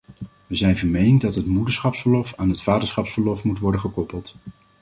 We zijn van mening dat het moederschapsverlof aan het vaderschapsverlof moet worden gekoppeld.